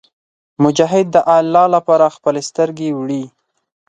مجاهد د الله لپاره خپلې سترګې وړي.